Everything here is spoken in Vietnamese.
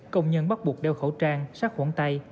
công nhân bắt buộc đeo khẩu trang sát khuẩn tay